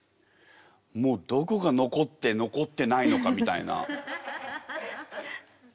もうどこが残って残ってないのかみたいな。